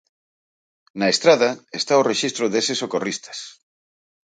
Na Estrada está o rexistro deses socorristas.